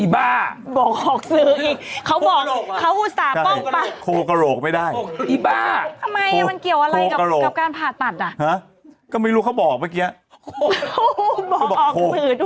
บ้าโคกะโหลกอะกำลังมาบอกออกสื่ออีกเขาบอกเขาสาปกล้องปะ